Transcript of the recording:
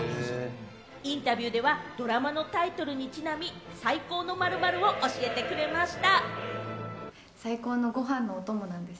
インタビューではドラマのタイトルにちなみ、最高の〇〇を教えてくれました。